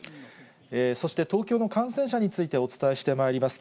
そして東京の感染者についてお伝えしてまいります。